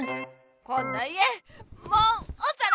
こんな家もうおさらばだ！